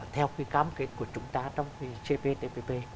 theo cái cam kết của chúng ta trong cái chp tpp